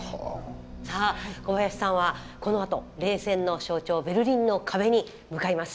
さあ小林さんはこのあと冷戦の象徴ベルリンの壁に向かいます。